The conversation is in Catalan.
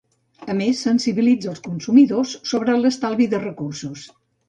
A més, sensibilitza els consumidors sobre l'estalvi de recursos.